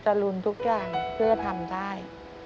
รุนทุกอย่างเพื่อทำได้